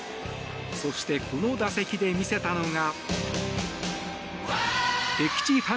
そしてこの打席で見せたのが。